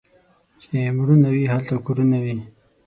چي مړونه وي ، هلته کورونه وي.